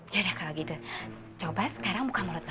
yaudah kalau gitu coba sekarang buka mulut lo